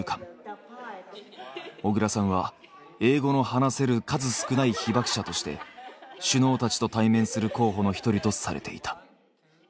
小倉さんは英語の話せる数少ない被爆者として首脳たちと対面する候補の一人とされていた。